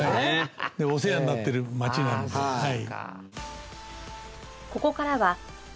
お世話になってる町なのではい。